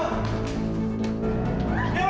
buang kemah kau